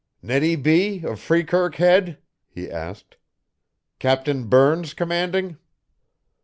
"Nettie B. of Freekirk Head?" he asked. "Captain Burns commanding?"